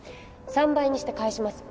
３倍にして返します。